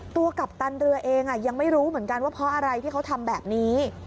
กัปตันเรือเองยังไม่รู้เหมือนกันว่าเพราะอะไรที่เขาทำแบบนี้